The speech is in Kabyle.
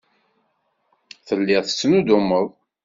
Telliḍ tettnuddumeḍ.